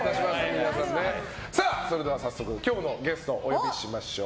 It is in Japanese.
早速、今日のゲストお呼びしましょう。